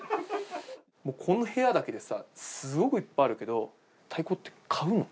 この部屋だけでさ、すごくいっぱいあるけど、太鼓って買うの？